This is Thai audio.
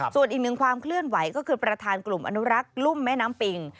ส่วนอีกหนึ่งความเคลื่อนไหวก็คือประธานกลุ่มอนุรักษ์รุ่มแม่น้ำปิง